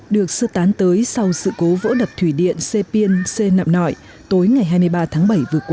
được sư tán tới sau sự cố vỡ đập thủy điện xe biên xe nạm nội tối ngày hai mươi ba tháng ba